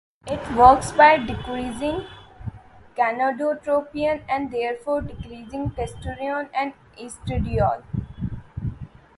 It works by decreasing gonadotropin and therefore decreasing testosterone and estradiol.